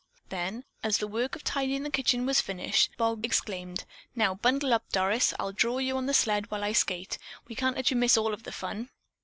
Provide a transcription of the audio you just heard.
Then, as the work of tidying the kitchen was finished, Bob exclaimed: "Now bundle up, Doris, I'll draw you on the sled while I skate. We can't let you miss all of the fun."